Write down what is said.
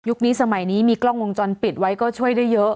สมัยนี้มีกล้องวงจรปิดไว้ก็ช่วยได้เยอะ